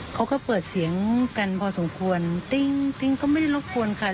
เขาก็เปิดเสียงกันพอสมควรติ๊งติ๊งก็ไม่ได้รบกวนค่ะ